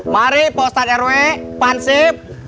mari pak ustadz rw pansip